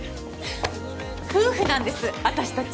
夫婦なんです私たち。